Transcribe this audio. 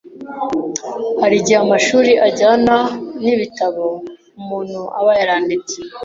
Hari igihe amashuri ajyana n’ibitabo umuntu aba yaranditse